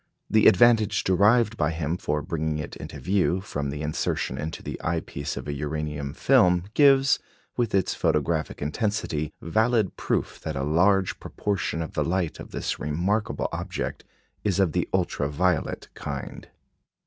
The advantage derived by him for bringing it into view, from the insertion into the eye piece of a uranium film, gives, with its photographic intensity, valid proof that a large proportion of the light of this remarkable object is of the ultra violet kind.